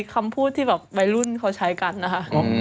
คำพูดที่แบบวัยรุ่นเขาใช้กันนะคะ